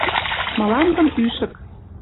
Мылам гын ӱшык.